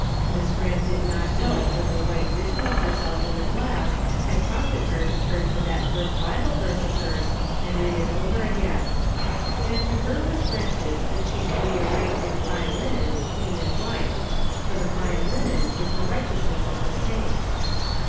Miss Grant did not know that the white vision of herself in the glass had prompted her to turn to that first Bible verse of hers and read it over again, '' And to her was granted that she should be arrayed in fine linen, clean and white ; for the fine linen is the righteousness of the saints."